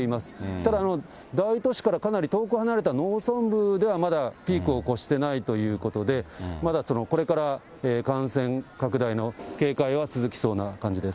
ただ、大都市からかなり遠く離れた農村部ではまだピークを越していないということで、まだこれから感染拡大の警戒は続きそうな感じです。